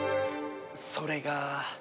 それが。